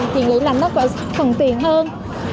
chị nghĩ là nó cần tiền hơn